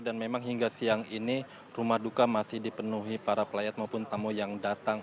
dan memang hingga siang ini rumah duka masih dipenuhi para pelayat maupun tamu yang datang